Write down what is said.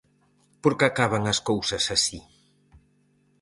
Por que acaban as cousas así?